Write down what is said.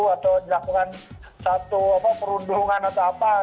atau dilakukan satu perundungan atau apa